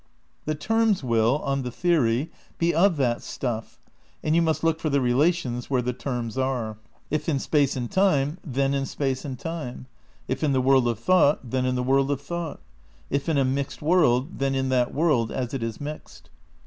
The terms will, on the theory, be of that stuff, and you must look for the relations where the terms are: if in space and time, then in space and time ; if in the world of thought, then in the world of thought ; if in a mixed world, then in that world as it is mixed.